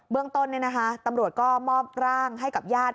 เบื้องต้นเนี่ยนะคะตำรวจก็มอบร่างให้กับญาติ